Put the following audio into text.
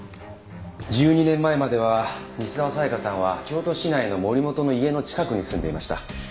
１２年前までは西沢紗香さんは京都市内の森本の家の近くに住んでいました。